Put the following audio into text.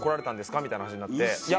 みたいな話になっていや